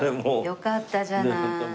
よかったじゃない。